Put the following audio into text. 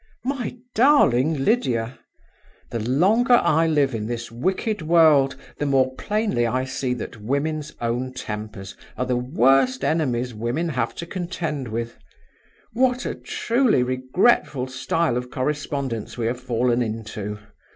"MY DARLING LYDIA The longer I live in this wicked world the more plainly I see that women's own tempers are the worst enemies women have to contend with. What a truly regretful style of correspondence we have fallen into!